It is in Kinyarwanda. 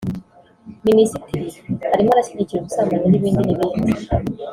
minisitiri arimo arashyigikira ubusambanyi n’ibindi n’ibindi